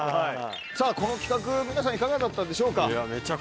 さぁこの企画皆さんいかがだったでしょうか？